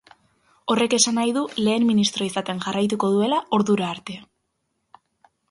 Horrek esan nahi du lehen ministro izaten jarraituko duela ordura arte.